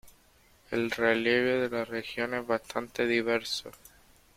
El relieve de la región es bastante diverso.